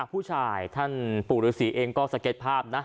ผู้ชายท่านปู่ฤษีเองก็สเก็ตภาพนะ